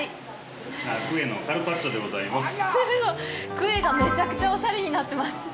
クエがめちゃくちゃおしゃれになってます。